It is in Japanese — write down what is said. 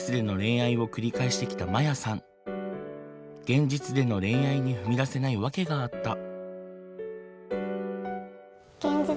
現実での恋愛に踏み出せない訳があった。